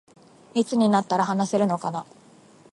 いつになったら話せるのかな